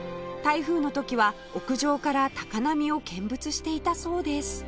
台風の時は屋上から高波を見物していたそうです